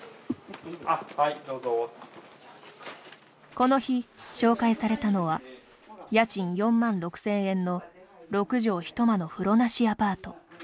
この日、紹介されたのは家賃４万６０００円の六畳一間の風呂なしアパート。